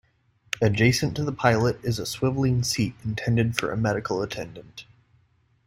Adjacent to the pilot is a swivelling seat intended for a medical attendant.